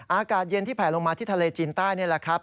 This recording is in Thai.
อากาศเย็นที่แผลลงมาที่ทะเลจีนใต้นี่แหละครับ